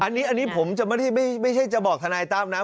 อันนี้ผมจะไม่ใช่จะบอกทนายตั้มนะ